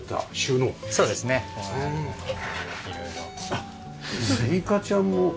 あっすいかちゃんも。